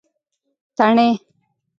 تڼۍ